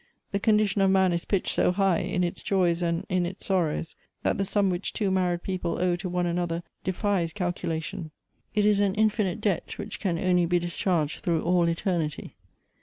The condition of man is pitched so high, in its joys and in its sorrows, that the sum which two married people owe to one another defies calculation. It is an infinite debt, which can only be discharged through all eternity.